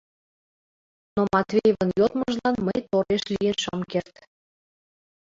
Но Матвеевын йодмыжлан мый тореш лийын шым керт.